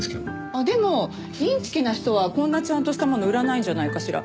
あっでもインチキな人はこんなちゃんとしたもの売らないんじゃないかしら？